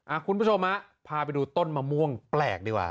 คุณผู้ชมฮะพาไปดูต้นมะม่วงแปลกดีกว่า